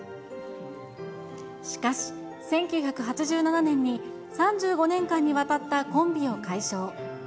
しかし１９８７年に、３５年間にわたったコンビを解消。